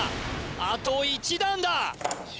あと１段だ！